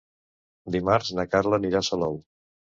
Dimarts na Carla anirà a Salou.